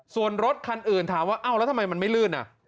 ส่วนรถคันอื่นถามว่าเอ้าแล้วทำไมมันไม่ลื่น